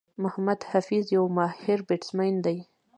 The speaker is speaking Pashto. محمد حفيظ یو ماهر بيټسمېن دئ.